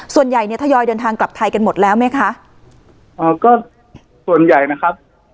ส่วนใหญ่เนี่ยทยอยเดินทางกลับไทยกันหมดแล้วไหมคะอ่าก็ส่วนใหญ่นะครับ